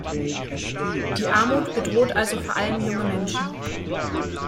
Die Armut bedroht also vor allem junge Menschen.